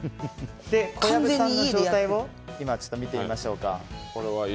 小籔さんの状態を見てみましょう。